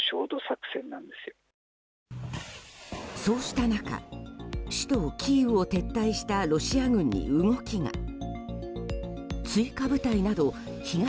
そうした中、首都キーウを撤退したロシア軍に動きが。